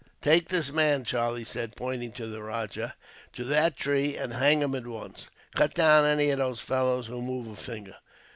"Take this man," Charlie said, pointing to the rajah, "to that tree, and hang him at once. Cut down any of these fellows who move a finger."